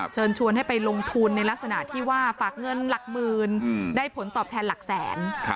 เชิญชวนให้ไปลงทุนในลักษณะที่ว่าฝากเงินหลักหมื่นได้ผลตอบแทนหลักแสน